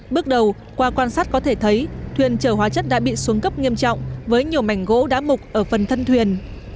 bước đầu qua quan sát có thể thấy thuyền chở hóa chất đã bị xuống cấp nghiêm trọng với nhiều mảnh gỗ đá mục ở phần thân thuyền